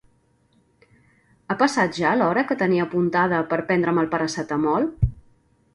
Ha passat ja l'hora que tenia apuntada per prendre'm el paracetamol?